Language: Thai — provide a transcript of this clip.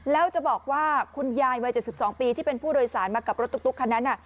แล้วจะบอกว่าคุณยายวัย๗๒ปีที่เป็นผู้โดยสารมากับรถตุ๊กคันนั้น